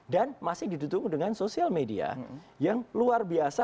dan masih diduduk dengan sosial media yang luar biasa